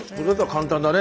簡単だね。